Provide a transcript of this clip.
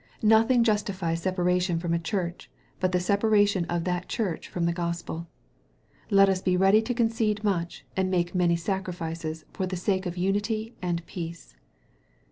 Nothing justifies separation from a church but the sepa ration of that church from the Gospel. Let us be ready to concede much, and make many sacrifices for the sake of unity and peace.